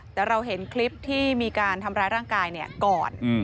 แต่เราเห็นคลิปที่มีการทำร้ายร่างกายก่อน